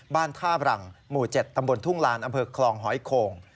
บ้านท่าบรังหมู่๗ตำบลทุ่งลานอำเภอคลองหอยโข่ง